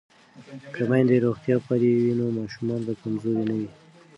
که میندې روغتیا پالې وي نو ماشومان به کمزوري نه وي.